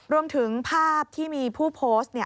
รวมถึงภาพที่มีผู้โพสต์